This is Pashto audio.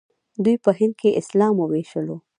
دوی په هند کې اسلام وويشلو.